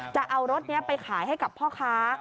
จะเอารถนี้ไปขายให้กับพ่อค้า